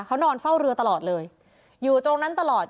เขานอนเฝ้าเรือตลอดเลยอยู่ตรงนั้นตลอด